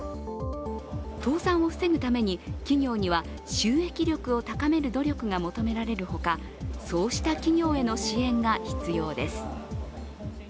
倒産を防ぐために企業には収益力を高める努力が求められるほかそうした企業への支援が必要です。